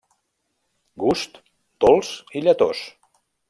Gust: dolç i lletós.